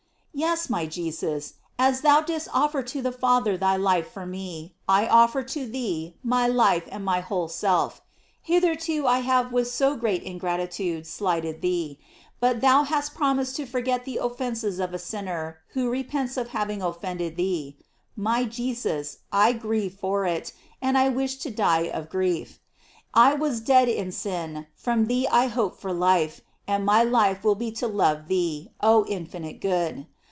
Yes, my J^sus, as thou didst offer to the Father thy life for me, I offer to thee my life and my whole self. Hitherto I have with so great ingratitude slighted thee, but thou hast promised to forget the offences of a sinner who repents of having offended th«e; 0LORIES OF MARY. 751 my Jesus, I grieve for it, and I wish to die of grief. I was dead in sin; from thee I hope for life, and ray life will be to love thee, oh Infinite Good.